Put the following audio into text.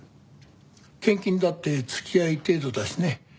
献金だって付き合い程度だしね。